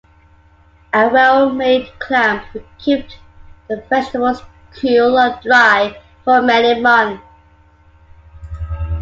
A well-made clamp will keep the vegetables cool and dry for many months.